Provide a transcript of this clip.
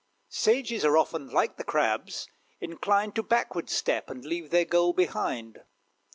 Sages are often, like the crabs, inclined To backward step, and leave their goal behind.